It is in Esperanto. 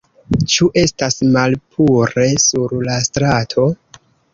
Ĉu estas malpure sur la strato?